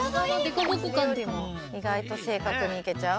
いがいと正確にいけちゃう？